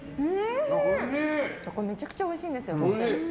これめちゃくちゃおいしいんですよ。